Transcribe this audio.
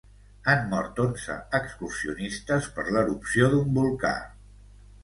Han mort onze excursionistes per l'erupció d'un volcà.